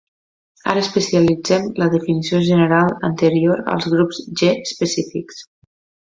Ara especialitzem la definició general anterior als grups "G" específics.